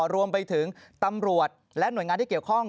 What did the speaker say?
รวมไปถึงตำรวจและหน่วยงานที่เกี่ยวข้อง